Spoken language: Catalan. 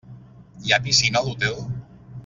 Hi ha piscina a l'hotel?